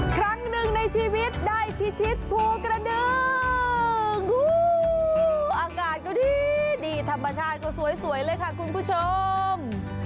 ครั้งหนึ่งในชีวิตได้พิชิตภูกระดึงอากาศก็ดีดีธรรมชาติก็สวยเลยค่ะคุณผู้ชม